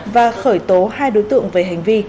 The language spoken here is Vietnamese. và khởi tố hai đối tượng về hành vi